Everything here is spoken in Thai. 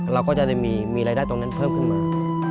เราก็จะมีรายได้ตรงนั้นเพิ่มขึ้นมา